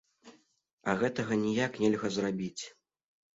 А гэтага ніяк нельга зрабіць.